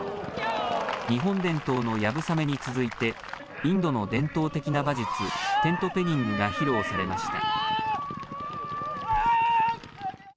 日本伝統のやぶさめに続いてインドの伝統的な馬術、テントペギングが披露されました。